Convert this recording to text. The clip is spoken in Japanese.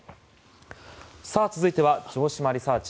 続いては、城島リサーチ！